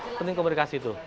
ah penting komunikasi tuh